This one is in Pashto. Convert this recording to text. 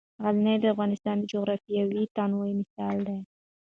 غزني د افغانستان د جغرافیوي تنوع مثال دی.